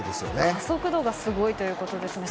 加速度がすごいということですね。